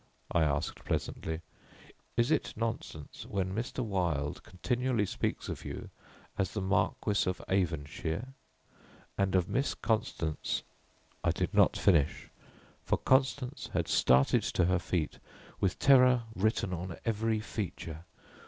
I asked pleasantly, "is it nonsense when Mr. Wilde continually speaks of you as the Marquis of Avonshire and of Miss Constance " I did not finish, for Constance had started to her feet with terror written on every feature.